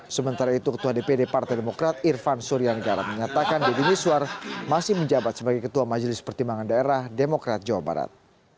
sementara itu ketua dpd partai demokrat irfan suryanggara menyatakan deddy miswar masih menjabat sebagai ketua majelis pertimbangan daerah demokrat jawa barat